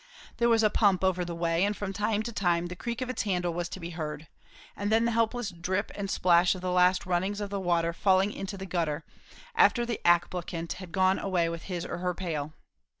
There was a pump over the way; and from time to time the creak of its handle was to be heard, and then the helpless drip and splash of the last runnings of the water falling into the gutter, after the applicant had gone away with his or her pail.